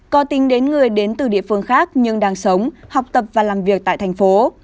có tính đến người đến từ địa phương khác nhưng đang sống học tập và làm việc tại thành phố